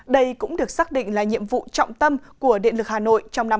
đây cũng được xác định là nhiệm vụ trọng tâm của điện lực hà nội trong năm hai nghìn hai mươi